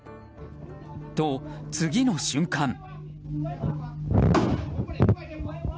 と、次の瞬間。